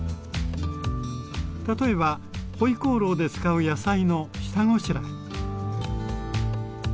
例えば回鍋肉で使う野菜の下ごしらえ。